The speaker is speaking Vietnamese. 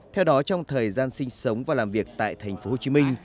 theo đó trong thời gian sinh sống và làm việc tại thành phố hồ chí minh